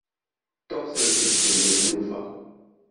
Ṭṭuqqtent-d fell-i tlufa.